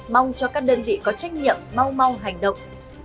mong cho các đơn vị có trách nhiệm mau mong mau hành động